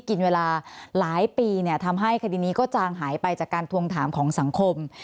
กินเวลาหลายปีทำให้คดีนี้ก็จางหายไปจากการทวงถามของสังคม